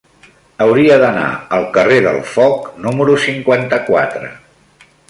Hauria d'anar al carrer del Foc número cinquanta-quatre.